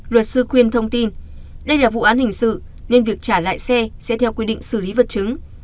luật sư quyên thông tin đây là vụ án hình sự nên việc trả lại xe sẽ theo quy định xử lý vật chứng